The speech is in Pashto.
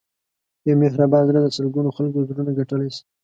یو مهربان زړه د سلګونو خلکو زړونه ګټلی شي.